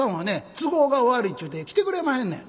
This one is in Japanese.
都合が悪いっちゅうて来てくれまへんねん」。